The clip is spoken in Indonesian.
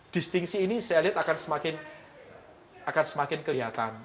distingsi ini saya lihat akan semakin kelihatan